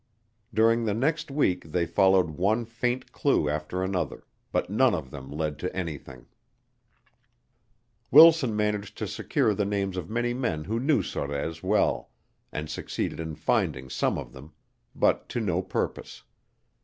During the next week they followed one faint clue after another, but none of them led to anything. Wilson managed to secure the names of many men who knew Sorez well and succeeded in finding some of them; but to no purpose.